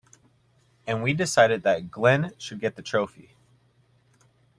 And we decided that Glenn should get a trophy.